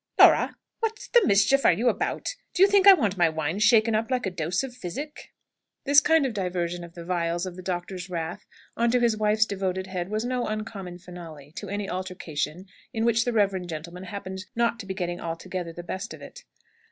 "Laura, what the mischief are you about? Do you think I want my wine shaken up like a dose of physic?" This kind of diversion of the vials of the doctor's wrath on to his wife's devoted head was no uncommon finale to any altercation in which the reverend gentleman happened not to be getting altogether the best of it.